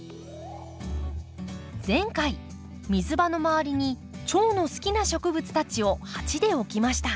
前回水場の周りにチョウの好きな植物たちを鉢で置きました。